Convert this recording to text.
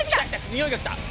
においが来た。